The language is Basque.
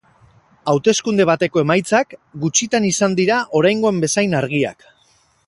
Hauteskunde bateko emaitzak, gutxitan izan dira oraingoan bezain argiak.